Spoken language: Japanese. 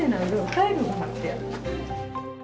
タイルがはってある。